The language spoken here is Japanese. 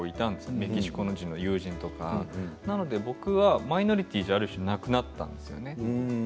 メキシコ人の友人とか僕はマイノリティーである種なくなったんです。